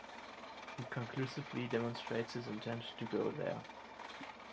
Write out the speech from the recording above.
He "conclusively demonstrates" his intention to go there.